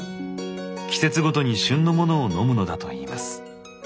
季節ごとに旬のものを飲むのだといいます。